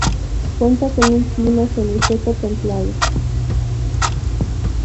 Cuenta con un clima semiseco templado.